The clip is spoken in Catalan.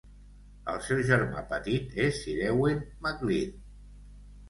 El seu germà petit és Sir Ewen Maclean.